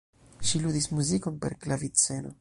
Ŝi ludis muzikon per klaviceno.